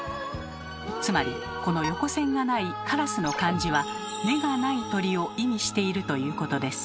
つまりこの横線がないカラスの漢字は「目がない鳥」を意味しているということです。